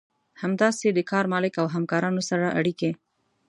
همداسې د کار مالک او همکارانو سره اړيکې.